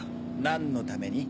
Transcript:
何のために？